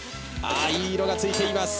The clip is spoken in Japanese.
いい色が付いています。